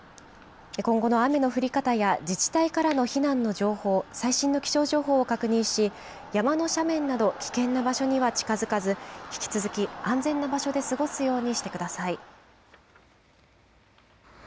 今後の雨の降り方や自治体からの避難の情報、最新の気象情報を確認し山の斜面など危険な場所には近づかず引き続き安全な場所で過ごすようにしてください。